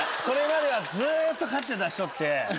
それまではずっと勝ってた人って。